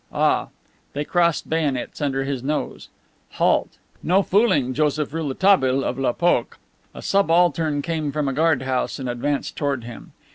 Ah! They crossed bayonets under his nose. Halt! No fooling, Joseph Rouletabille, of "L'Epoque." A subaltern came from a guard house and advanced toward him.